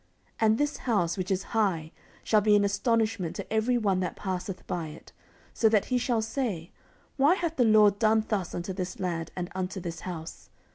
14:007:021 And this house, which is high, shall be an astonishment to every one that passeth by it; so that he shall say, Why hath the LORD done thus unto this land, and unto this house?